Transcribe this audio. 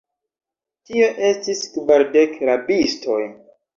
Tio estis kvardek rabistoj.